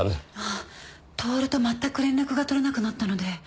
享と全く連絡が取れなくなったので。